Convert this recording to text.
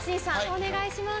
お願いします。